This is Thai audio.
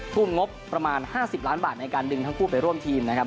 ทุ่มงบประมาณ๕๐ล้านบาทในการดึงทั้งคู่ไปร่วมทีมนะครับ